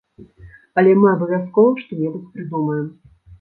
Але мы абавязкова што-небудзь прыдумаем.